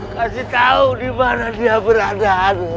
kasih tau dimana dia berada